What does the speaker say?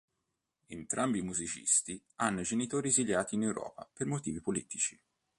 Entrambi i musicisti, hanno i genitori esiliati in Europa per motivi politici.